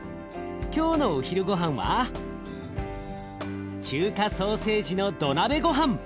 今日のお昼ごはんは中華ソーセージの土鍋ごはん！